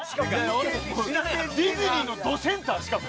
ディズニーのどセンターしかも。